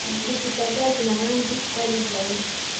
Spishi kadhaa zina rangi kali zaidi.